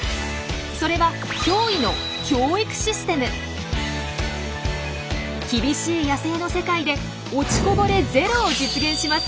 それは厳しい野生の世界で落ちこぼれゼロを実現します。